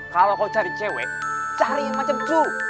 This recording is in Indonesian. kalau kau cari cewek cari yang macam juk